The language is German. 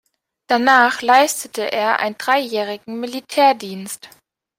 Danach leistete er einen dreijährigen Militärdienst.